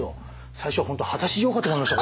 最初本当果たし状かと思いました。